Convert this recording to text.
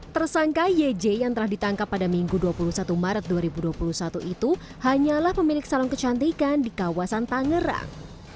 tersangka yj yang telah ditangkap pada minggu dua puluh satu maret dua ribu dua puluh satu itu hanyalah pemilik salon kecantikan di kawasan tangerang